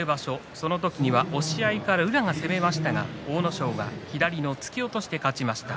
その時には押し合いから宇良が攻めましたが阿武咲が左からの突き落としで勝ちました。